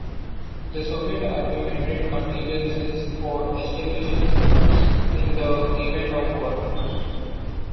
The Soviet Army maintained contingencies for establishing fronts in the event of war.